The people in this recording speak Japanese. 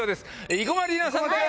生駒里奈さんです。